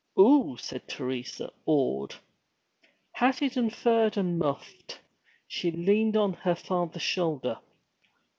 'Oo!' said Teresa, awed. Hatted, furred, and muffed, she leaned on her father's shoulder.